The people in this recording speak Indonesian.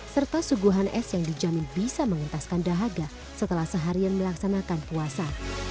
serta suguhan es yang dijamin bisa mengentaskan dahaga setelah seharian melaksanakan puasa